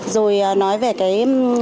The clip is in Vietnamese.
rồi nói về cái